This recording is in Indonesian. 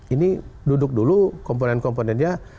ini duduk dulu komponen komponennya